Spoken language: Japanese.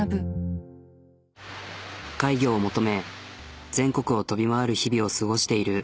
怪魚を求め全国を飛び回る日々を過ごしているマルコス。